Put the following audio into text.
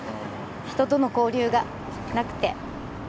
人との交流がなくて。